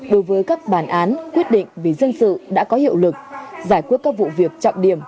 đối với các bản án quyết định vì dân sự đã có hiệu lực giải quyết các vụ việc trọng điểm